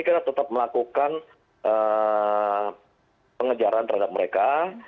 kita tetap melakukan pengejaran terhadap mereka